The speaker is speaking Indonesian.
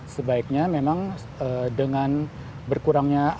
sebaiknya memang dengan berkurang gizinya